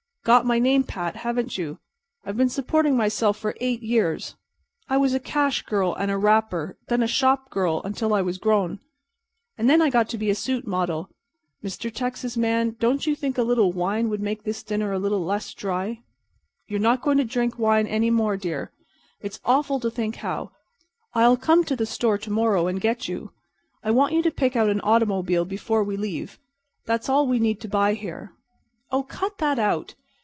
"Got my name pat, haven't you? I've been supporting myself for eight years. I was a cash girl and a wrapper and then a shop girl until I was grown, and then I got to be a suit model. Mr. Texas Man, don't you think a little wine would make this dinner a little less dry?" "You're not going to drink wine any more, dear. It's awful to think how— I'll come to the store to morrow and get you. I want you to pick out an automobile before we leave. That's all we need to buy here." "Oh, cut that out.